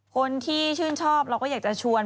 คนที่ชื่นชอบเราก็อยากจะชวน